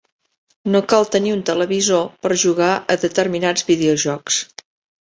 No cal tenir un televisor per jugar a determinats videojocs.